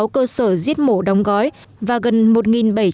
hai mươi sáu cơ sở giết mổ đóng gói và gần một bảy trăm năm mươi điểm bán thịt và trứng